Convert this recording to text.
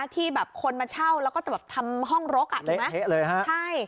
ที่แบบคนมาเช่าแล้วก็จะแบบทำห้องรกอ่ะถูกไหมฮะใช่